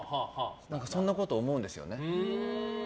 そんなことを思うんですよね。